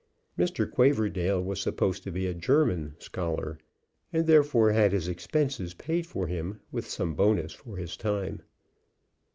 Mr. Quaverdale was supposed to be a German scholar, and therefore had his expenses paid for him, with some bonus for his time.